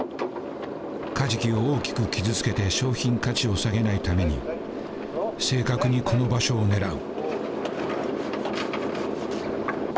カジキを大きく傷つけて商品価値を下げないために正確にこの場所を狙う。